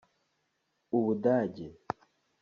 u Budage